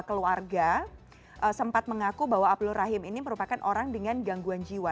keluarga sempat mengaku bahwa abdul rahim ini merupakan orang dengan gangguan jiwa